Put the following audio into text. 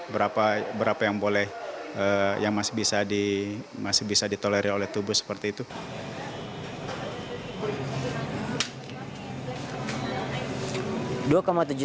berapa yang boleh yang masih bisa ditolerir oleh tubuh seperti itu